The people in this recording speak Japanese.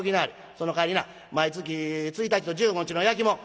そのかわりな毎月１日と１５日の焼きもん